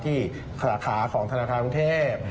ที่ราคาของธนาคารังเทพฯ